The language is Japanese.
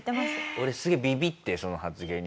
俺すげえビビってその発言に。